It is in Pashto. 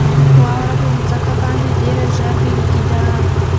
واوره په مځکه باندې ډېره ژر ویلي کېده.